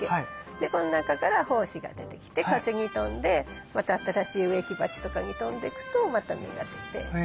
でこの中から胞子が出てきて風に飛んでまた新しい植木鉢とかに飛んでくとまた芽が出て。